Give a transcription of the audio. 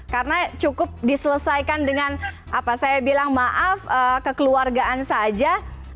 karena cukup diselesaikan dengan apa saya bilang maaf kekeluargaan saja